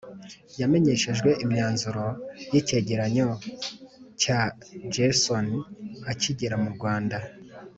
yamenyeshejwe imyanzuro y'icyegeranyo cya gersony akigera mu rwanda